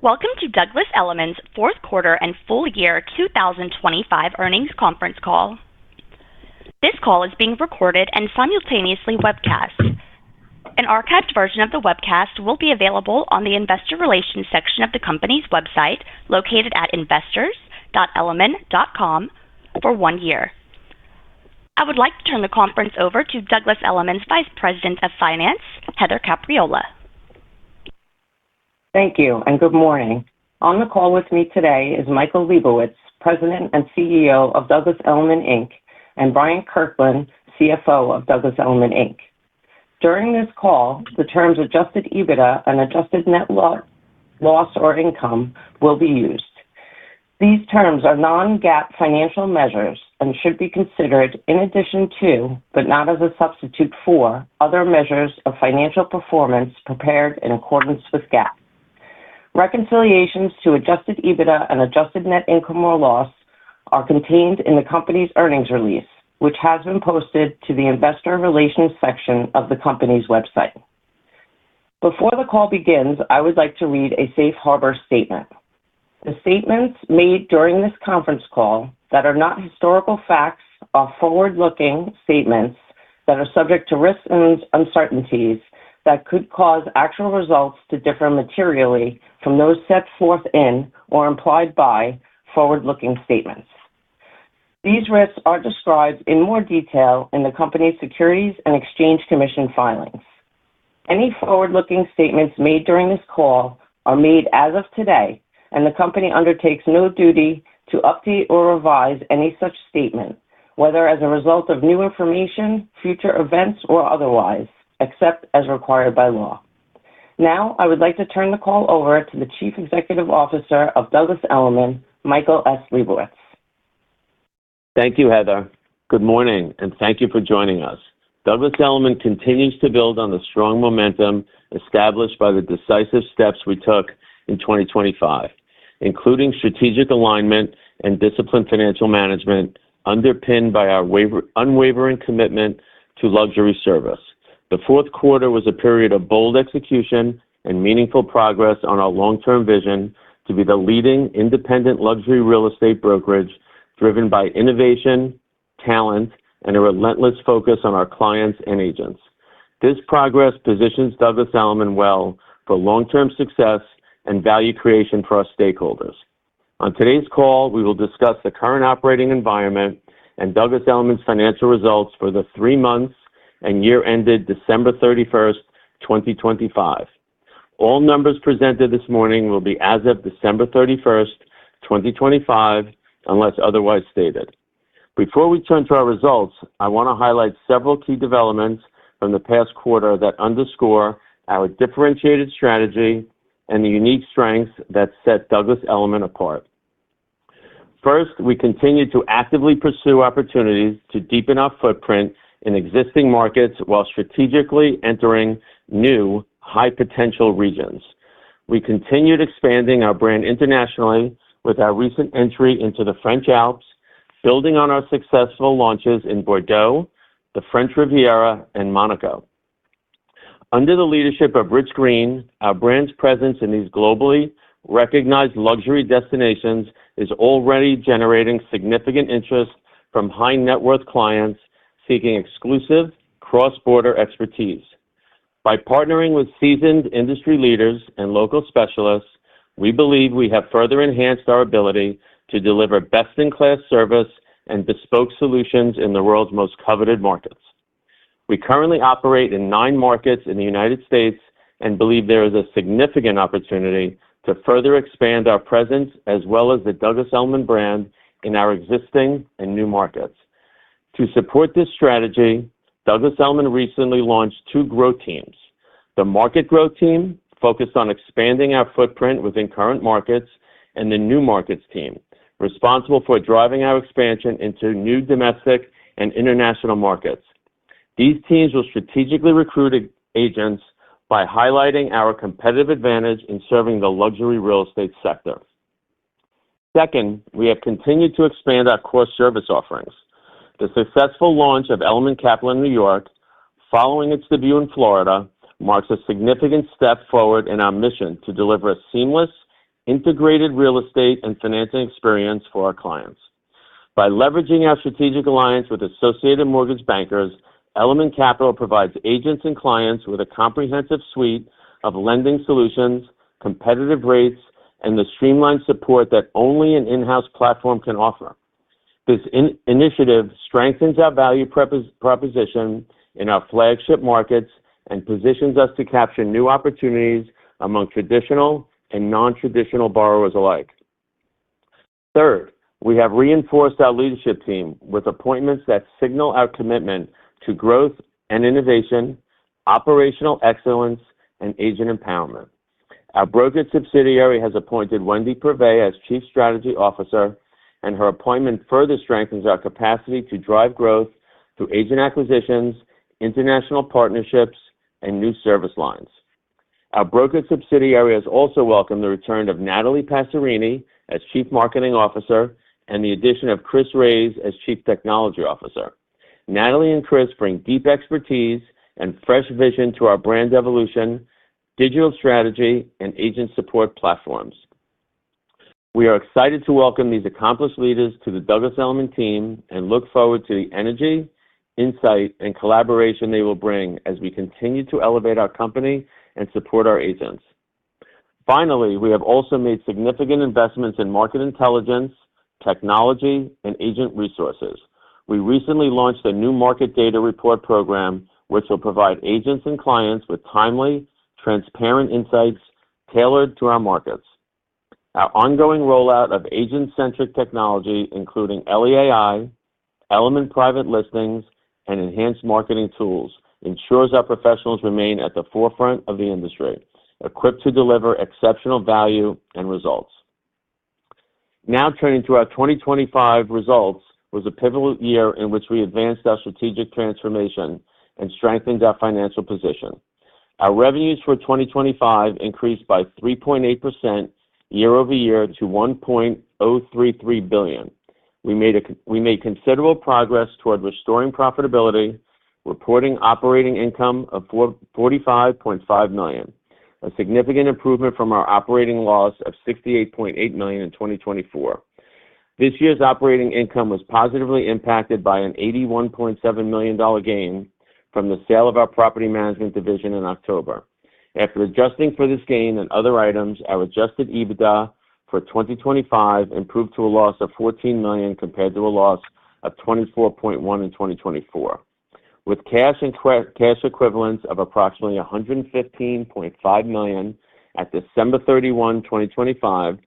Welcome to Douglas Elliman's fourth quarter and full year 2025 earnings conference call. This call is being recorded and simultaneously webcast. An archived version of the webcast will be available on the investor relations section of the company's website located at investors.elliman.com for one year. I would like to turn the conference over to Douglas Elliman's Vice President of Finance, Heather Capriola. Thank you and good morning. On the call with me today is Michael S. Liebowitz, President and CEO of Douglas Elliman Inc., and J. Bryant Kirkland III, CFO of Douglas Elliman Inc. During this call, the terms adjusted EBITDA and adjusted net loss or income will be used. These terms are non-GAAP financial measures and should be considered in addition to, but not as a substitute for, other measures of financial performance prepared in accordance with GAAP. Reconciliations to adjusted EBITDA and adjusted net income or loss are contained in the company's earnings release, which has been posted to the investor relations section of the company's website. Before the call begins, I would like to read a safe harbor statement. The statements made during this conference call that are not historical facts are forward-looking statements that are subject to risks and uncertainties that could cause actual results to differ materially from those set forth in or implied by forward-looking statements. These risks are described in more detail in the company's Securities and Exchange Commission filings. Any forward-looking statements made during this call are made as of today, and the company undertakes no duty to update or revise any such statement, whether as a result of new information, future events, or otherwise, except as required by law. Now, I would like to turn the call over to the Chief Executive Officer of Douglas Elliman, Michael S. Liebowitz. Thank you, Heather. Good morning, and thank you for joining us. Douglas Elliman continues to build on the strong momentum established by the decisive steps we took in 2025, including strategic alignment and disciplined financial management underpinned by our unwavering commitment to luxury service. The fourth quarter was a period of bold execution and meaningful progress on our long-term vision to be the leading independent luxury real estate brokerage driven by innovation, talent, and a relentless focus on our clients and agents. This progress positions Douglas Elliman well for long-term success and value creation for our stakeholders. On today's call, we will discuss the current operating environment and Douglas Elliman's financial results for the three months and year ended December 31st, 2025. All numbers presented this morning will be as of December 31st, 2025, unless otherwise stated. Before we turn to our results, I want to highlight several key developments from the past quarter that underscore our differentiated strategy and the unique strengths that set Douglas Elliman apart. First, we continue to actively pursue opportunities to deepen our footprint in existing markets while strategically entering new high-potential regions. We continued expanding our brand internationally with our recent entry into the French Alps, building on our successful launches in Bordeaux, the French Riviera, and Monaco. Under the leadership of Rich Green, our brand's presence in these globally recognized luxury destinations is already generating significant interest from high-net-worth clients seeking exclusive cross-border expertise. By partnering with seasoned industry leaders and local specialists, we believe we have further enhanced our ability to deliver best-in-class service and bespoke solutions in the world's most coveted markets. We currently operate in nine markets in the United States and believe there is a significant opportunity to further expand our presence as well as the Douglas Elliman brand in our existing and new markets. To support this strategy, Douglas Elliman recently launched two growth teams. The market growth team focused on expanding our footprint within current markets, and the new markets team responsible for driving our expansion into new domestic and international markets. These teams will strategically recruit agents by highlighting our competitive advantage in serving the luxury real estate sector. Second, we have continued to expand our core service offerings. The successful launch of Elliman Capital in New York following its debut in Florida marks a significant step forward in our mission to deliver a seamless, integrated real estate and financing experience for our clients. By leveraging our strategic alliance with Associated Mortgage Bankers, Elliman Capital provides agents and clients with a comprehensive suite of lending solutions, competitive rates, and the streamlined support that only an in-house platform can offer. This initiative strengthens our value proposition in our flagship markets and positions us to capture new opportunities among traditional and non-traditional borrowers alike. Third, we have reinforced our leadership team with appointments that signal our commitment to growth and innovation, operational excellence, and agent empowerment. Our brokerage subsidiary has appointed Wendy Purvey as Chief Strategy Officer, and her appointment further strengthens our capacity to drive growth through agent acquisitions, international partnerships, and new service lines. Our brokerage subsidiary has also welcomed the return of Natalie Passerini as Chief Marketing Officer and the addition of Chris Reyes as Chief Technology Officer. Natalie and Chris bring deep expertise and fresh vision to our brand evolution, digital strategy, and agent support platforms. We are excited to welcome these accomplished leaders to the Douglas Elliman team and look forward to the energy, insight, and collaboration they will bring as we continue to elevate our company and support our agents. Finally, we have also made significant investments in market intelligence, technology, and agent resources. We recently launched a new market data report program, which will provide agents and clients with timely, transparent insights tailored to our markets. Our ongoing rollout of agent-centric technology, including Elli AI, Elliman Private Listings, and enhanced marketing tools, ensures our professionals remain at the forefront of the industry, equipped to deliver exceptional value and results. Now turning to our 2025 results was a pivotal year in which we advanced our strategic transformation and strengthened our financial position. Our revenues for 2025 increased by 3.8% year-over-year to $1.033 billion. We made considerable progress toward restoring profitability, reporting operating income of $45.5 million, a significant improvement from our operating loss of $68.8 million in 2024. This year's operating income was positively impacted by an $81.7 million gain from the sale of our property management division in October. After adjusting for this gain and other items, our adjusted EBITDA for 2025 improved to a loss of $14 million, compared to a loss of $24.1 million in 2024. With cash and cash equivalents of approximately $115.5 million at December 31, 2025,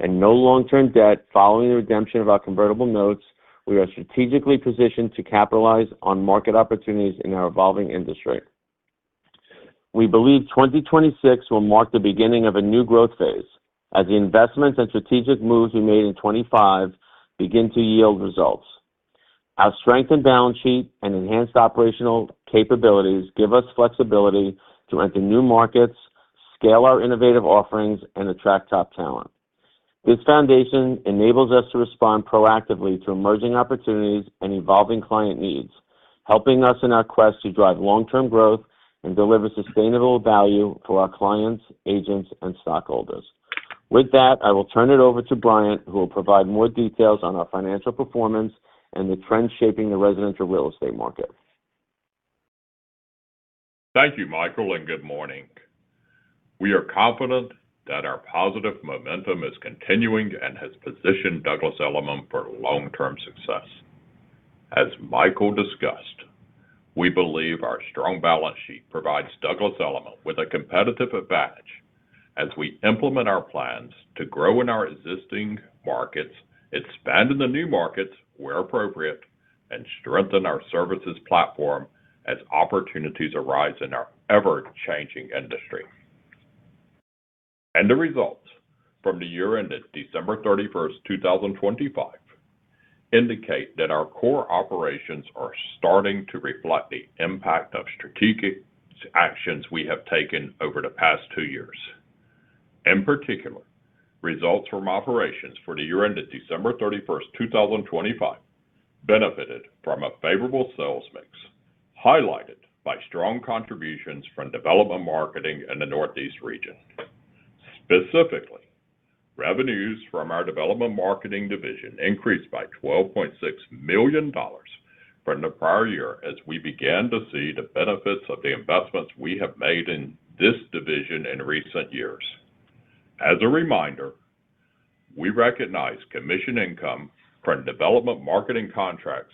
and no long-term debt following the redemption of our convertible notes, we are strategically positioned to capitalize on market opportunities in our evolving industry. We believe 2026 will mark the beginning of a new growth phase as the investments and strategic moves we made in 2025 begin to yield results. Our strengthened balance sheet and enhanced operational capabilities give us flexibility to enter new markets, scale our innovative offerings, and attract top talent. This foundation enables us to respond proactively to emerging opportunities and evolving client needs, helping us in our quest to drive long-term growth and deliver sustainable value to our clients, agents, and stockholders. With that, I will turn it over to Bryant, who will provide more details on our financial performance and the trends shaping the residential real estate market. Thank you, Michael, and good morning. We are confident that our positive momentum is continuing and has positioned Douglas Elliman for long-term success. As Michael discussed, we believe our strong balance sheet provides Douglas Elliman with a competitive advantage as we implement our plans to grow in our existing markets, expand into new markets where appropriate, and strengthen our services platform as opportunities arise in our ever-changing industry. The results from the year ended December 31st, 2025 indicate that our core operations are starting to reflect the impact of strategic actions we have taken over the past two years. In particular, results from operations for the year ended December 31st, 2025 benefited from a favorable sales mix, highlighted by strong contributions from development marketing in the Northeast region. Specifically, revenues from our development marketing division increased by $12.6 million from the prior year as we began to see the benefits of the investments we have made in this division in recent years. As a reminder, we recognize commission income from development marketing contracts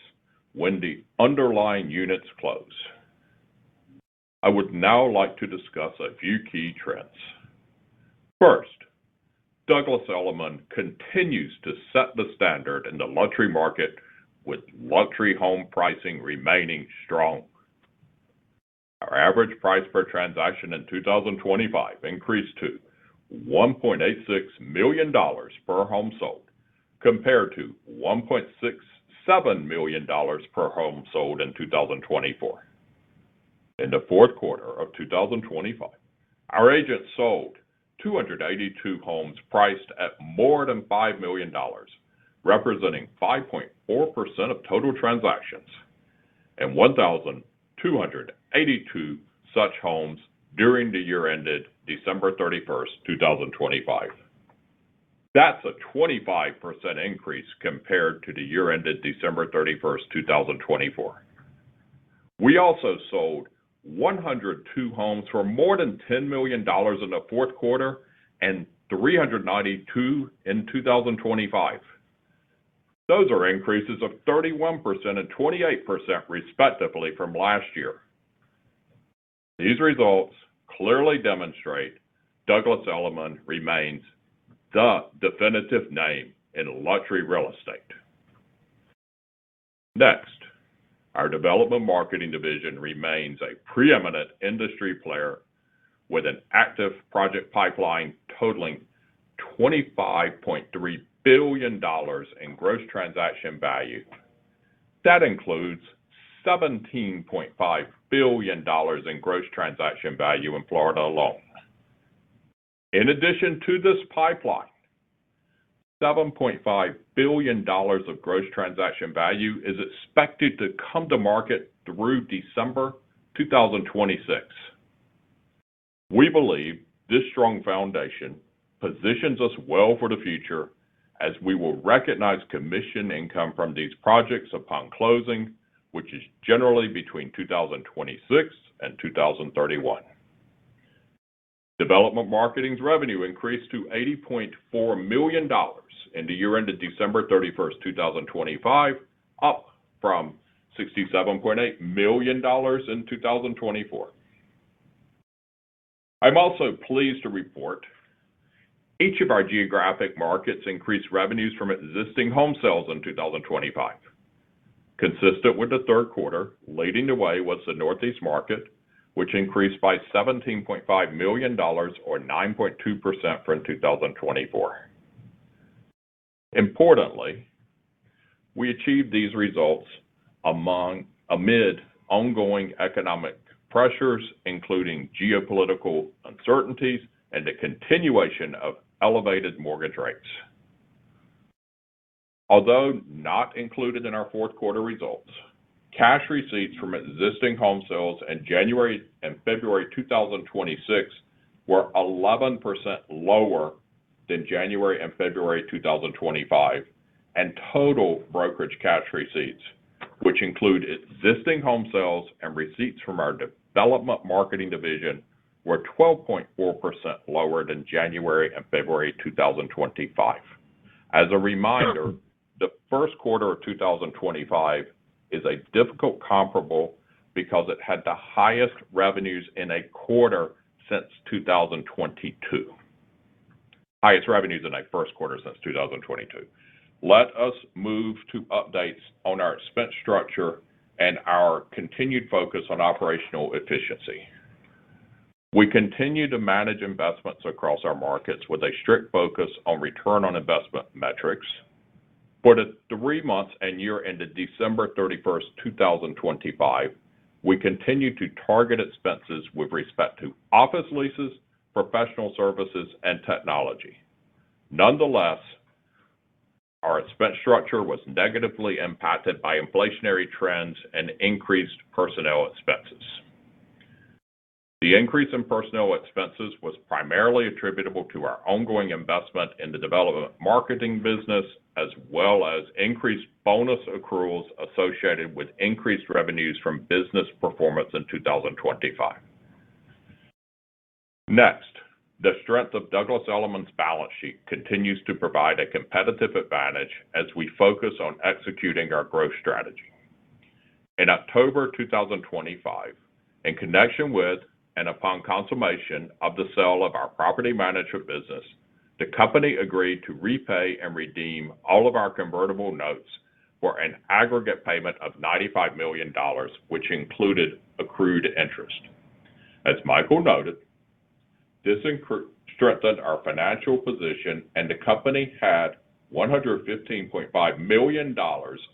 when the underlying units close. I would now like to discuss a few key trends. First, Douglas Elliman continues to set the standard in the luxury market, with luxury home pricing remaining strong. Our average price per transaction in 2025 increased to $1.86 million per home sold, compared to $1.67 million per home sold in 2024. In the fourth quarter of 2025, our agents sold 282 homes priced at more than $5 million, representing 5.4% of total transactions and 1,282 such homes during the year ended December 31st, 2025. That's a 25% increase compared to the year ended December 31st, 2024. We also sold 102 homes for more than $10 million in the fourth quarter and 392 in 2025. Those are increases of 31% and 28% respectively from last year. These results clearly demonstrate Douglas Elliman remains the definitive name in luxury real estate. Next, our development marketing division remains a preeminent industry player with an active project pipeline totaling $25.3 billion in gross transaction value. That includes $17.5 billion in gross transaction value in Florida alone. In addition to this pipeline, $7.5 billion of gross transaction value is expected to come to market through December 2026. We believe this strong foundation positions us well for the future as we will recognize commission income from these projects upon closing, which is generally between 2026 and 2031. Development marketing's revenue increased to $80.4 million in the year ended December 31st, 2025, up from $67.8 million in 2024. I'm also pleased to report each of our geographic markets increased revenues from existing home sales in 2025. Consistent with the third quarter, leading the way was the Northeast market, which increased by $17.5 million or 9.2% from 2024. Importantly, we achieved these results amid ongoing economic pressures, including geopolitical uncertainties and the continuation of elevated mortgage rates. Although not included in our fourth quarter results, cash receipts from existing home sales in January and February 2026 were 11% lower than January and February 2025. Total brokerage cash receipts, which include existing home sales and receipts from our development marketing division, were 12.4% lower than January and February 2025. As a reminder, the first quarter of 2025 is a difficult comparable because it had the highest revenues in a quarter since 2022. Let us move to updates on our expense structure and our continued focus on operational efficiency. We continue to manage investments across our markets with a strict focus on return on investment metrics. For the three months and year ended December 31st, 2025, we continued to target expenses with respect to office leases, professional services, and technology. Nonetheless, our expense structure was negatively impacted by inflationary trends and increased personnel expenses. The increase in personnel expenses was primarily attributable to our ongoing investment in the development marketing business, as well as increased bonus accruals associated with increased revenues from business performance in 2025. Next, the strength of Douglas Elliman's balance sheet continues to provide a competitive advantage as we focus on executing our growth strategy. In October 2025, in connection with and upon consummation of the sale of our property management business, the company agreed to repay and redeem all of our convertible notes for an aggregate payment of $95 million, which included accrued interest. As Michael noted, this strengthened our financial position, and the company had $115.5 million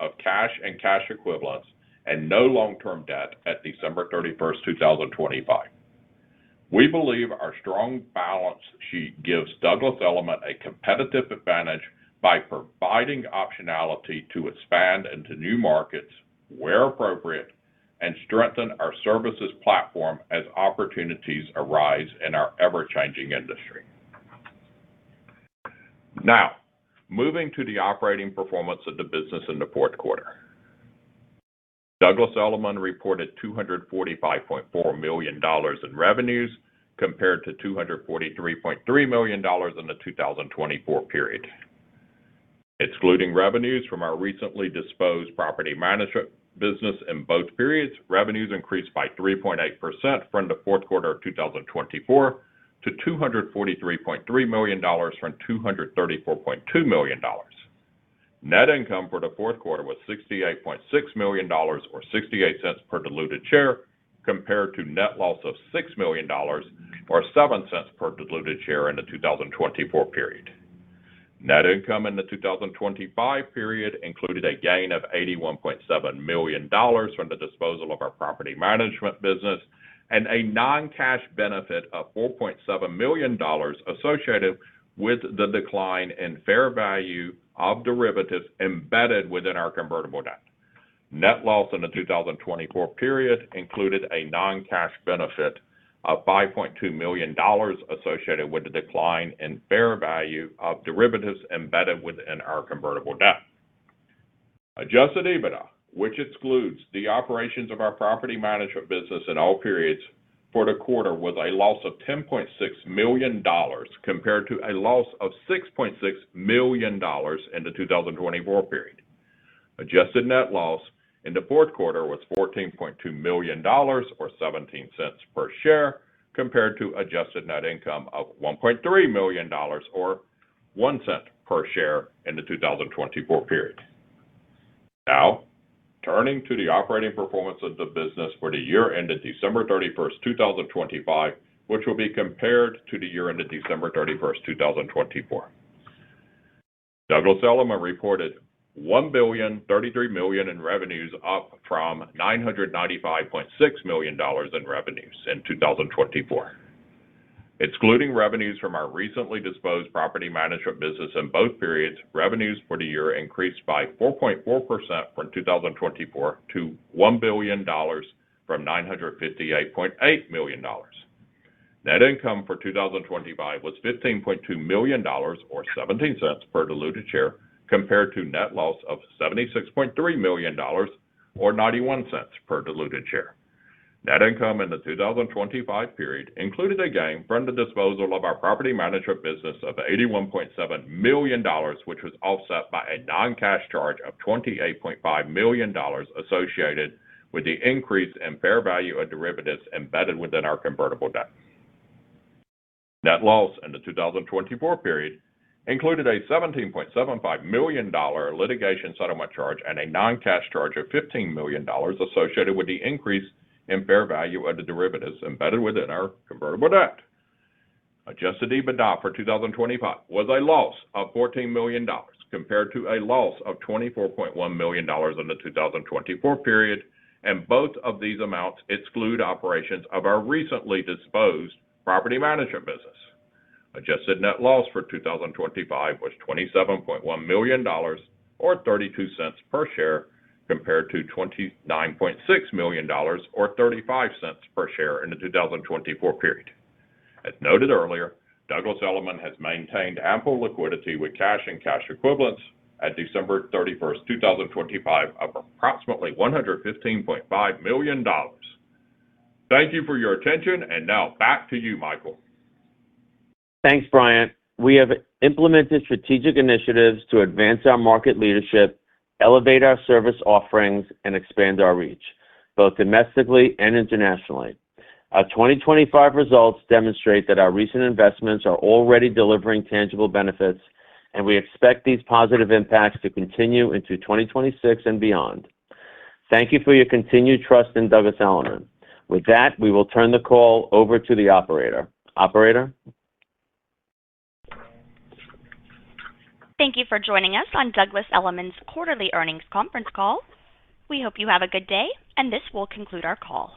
of cash and cash equivalents and no long-term debt at December 31st, 2025. We believe our strong balance sheet gives Douglas Elliman a competitive advantage by providing optionality to expand into new markets where appropriate and strengthen our services platform as opportunities arise in our ever-changing industry. Now, moving to the operating performance of the business in the fourth quarter. Douglas Elliman reported $245.4 million in revenues compared to $243.3 million in the 2024 period. Excluding revenues from our recently disposed property management business in both periods, revenues increased by 3.8% from the fourth quarter of 2024 to $243.3 million from $234.2 million. Net income for the fourth quarter was $68.6 million or $0.68 per diluted share compared to net loss of $6 million or ($0.07) per diluted share in the 2024 period. Net income in the 2025 period included a gain of $81.7 million from the disposal of our property management business and a non-cash benefit of $4.7 million associated with the decline in fair value of derivatives embedded within our convertible debt. Net loss in the 2024 period included a non-cash benefit of $5.2 million associated with the decline in fair value of derivatives embedded within our convertible debt. Adjusted EBITDA, which excludes the operations of our property management business in all periods for the quarter, was a loss of $10.6 million compared to a loss of $6.6 million in the 2024 period. Adjusted net loss in the fourth quarter was $14.2 million or $0.17 per share compared to adjusted net income of $1.3 million or $0.01 per share in the 2024 period. Now, turning to the operating performance of the business for the year ended December 31st, 2025, which will be compared to the year ended December 31st, 2024. Douglas Elliman reported $1.033 billion in revenues, up from $995.6 million in revenues in 2024. Excluding revenues from our recently disposed property management business in both periods, revenues for the year increased by 4.4% from 2024 to $1 billion from $958.8 million. Net income for 2025 was $15.2 million or $0.17 per diluted share compared to net loss of $76.3 million or $0.91 per diluted share. Net income in the 2025 period included a gain from the disposal of our property management business of $81.7 million, which was offset by a non-cash charge of $28.5 million associated with the increase in fair value of derivatives embedded within our convertible debt. Net loss in the 2024 period included a $17.75 million litigation settlement charge and a non-cash charge of $15 million associated with the increase in fair value of the derivatives embedded within our convertible debt. Adjusted EBITDA for 2025 was a loss of $14 million compared to a loss of $24.1 million in the 2024 period, both of these amounts exclude operations of our recently disposed property management business. Adjusted net loss for 2025 was $27.1 million or $0.32 per share compared to $29.6 million or $0.35 per share in the 2024 period. As noted earlier, Douglas Elliman has maintained ample liquidity with cash and cash equivalents at December 31st, 2025 of approximately $115.5 million. Thank you for your attention. Now back to you, Michael. Thanks, J. Bryant Kirkland III. We have implemented strategic initiatives to advance our market leadership, elevate our service offerings, and expand our reach both domestically and internationally. Our 2025 results demonstrate that our recent investments are already delivering tangible benefits, and we expect these positive impacts to continue into 2026 and beyond. Thank you for your continued trust in Douglas Elliman. With that, we will turn the call over to the operator. Operator. Thank you for joining us on Douglas Elliman's quarterly earnings conference call. We hope you have a good day, and this will conclude our call.